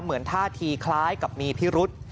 เหมือนท่าทีคล้ายกับมีพิรุษ